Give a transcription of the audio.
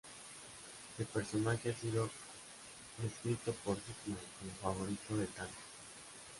El personaje ha sido descrito por Hickman como "favorito de Thanos.